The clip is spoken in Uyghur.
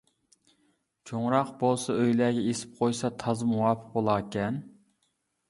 چوڭراق بولسا ئۆيلەرگە ئېسىپ قويسا تازا مۇۋاپىق بولاركەن.